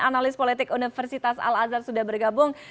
analis politik universitas al azhar sudah bergabung